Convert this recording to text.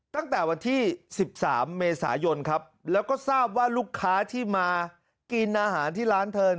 ตั้งแต่วันที่๑๓เมษายนครับแล้วก็ทราบว่าลูกค้าที่มากินอาหารที่ร้านเธอ